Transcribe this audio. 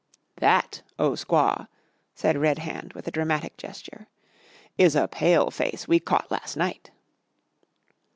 "That, O Squaw," said Red Hand with a dramatic gesture, "is a Pale face we caught las' night!"